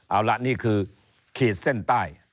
เอาละนี่คือขีดเส้นใต้